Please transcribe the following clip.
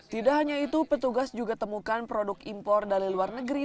tidak hanya itu petugas juga temukan produk impor dari luar negeri